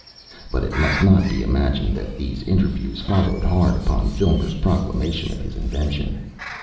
But it must not be imagined that these interviews followed hard upon Filmer's proclamation of his invention.